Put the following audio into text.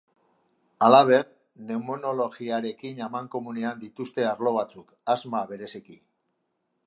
Halaber, neumologiarekin amankomunean dituzte arlo batzuk, asma bereziki.